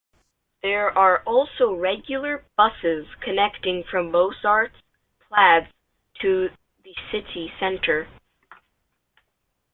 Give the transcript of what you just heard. There are also regular buses connecting from Mozarts Plads to the city centre.